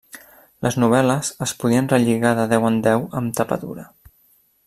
Les novel·les es podien relligar de deu en deu amb tapa dura.